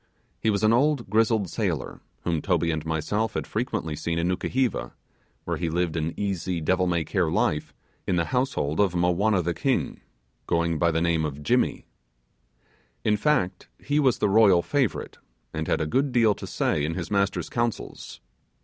He was an old grizzled sailor, whom Toby and myself had frequently seen in Nukuheva, where he lived an easy devil may care life in the household of Mowanna the king, going by the name of 'Jimmy'. In fact he was the royal favourite, and had a good deal to say in his master's councils.